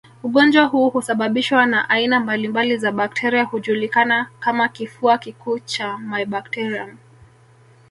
Ugonjwa huu husababishwa na aina mbalimbali za bakteria hujulikana kama kifua kikuu cha mybacterium